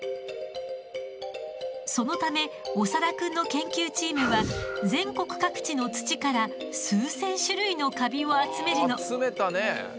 そのため長田くんの研究チームは全国各地の土から数千種類のカビを集めるの。